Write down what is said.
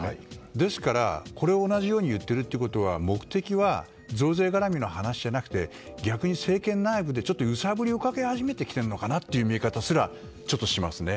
ですから、これを同じように言っているというのは目的は増税絡みの話じゃなくて逆に政権内部で揺さぶりをかけ始めてきているのかなという見え方すら、ちょっとしますね。